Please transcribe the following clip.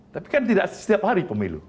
tapi kan tidak setiap hari pemilu